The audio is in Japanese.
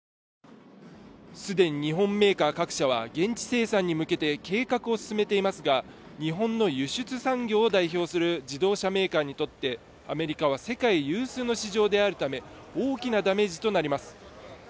既に日本メーカー各社は現地生産に向けて計画を進めていますが、日本の輸出産業を代表する自動車メーカーにとってアメリカは世界有数の市場であるため、大きなダメージとなります。